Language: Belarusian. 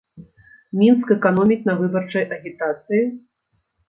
Мінск эканоміць на выбарчай агітацыі?